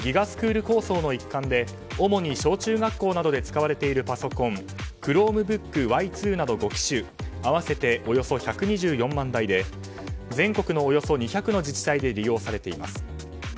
スクール構想の一環で主に小中学校などで使われているパソコンＣｈｒｏｍｅｂｏｏｋＹ２など５機種合わせておよそ１２４万台で全国のおよそ２００の自治体で利用されています。